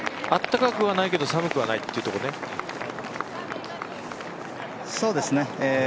暖かくはないけど寒くはないというところね。